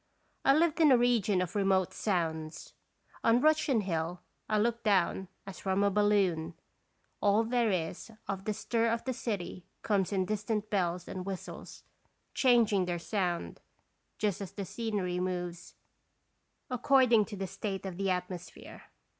I lived in a region of remote sounds. On Russian Hill I looked down as from a balloon; all there is of the stir of the city comes in dis tant bells and whistles, changing their sound, just as the scenery moves, according to the state of the atmosphere.